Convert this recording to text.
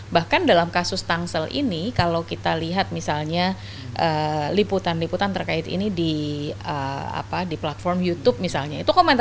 bahkan dalam kasus tangsel ini kalau kita lihat misalnya liputan liputan terkait ini di platform youtube misalnya